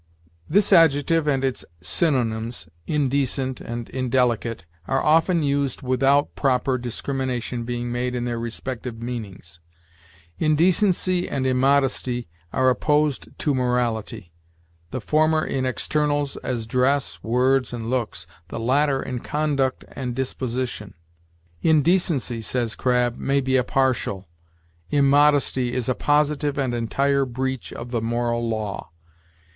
This adjective and its synonyms, indecent and indelicate, are often used without proper discrimination being made in their respective meanings. Indecency and immodesty are opposed to morality: the former in externals, as dress, words, and looks; the latter in conduct and disposition. "Indecency," says Crabb, "may be a partial, immodesty is a positive and entire breach of the moral law.